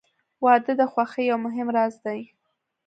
• واده د خوښۍ یو مهم راز دی.